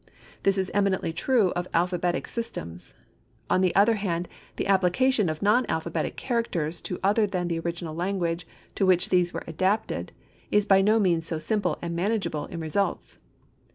This is eminently true of alphabetic systems. On the other hand the application of non alphabetic characters to other than the original language to which these were adapted is by no means so simple and manageable in results.